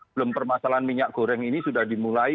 belum permasalahan minyak goreng ini sudah dimulai